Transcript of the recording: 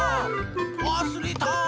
わすれた！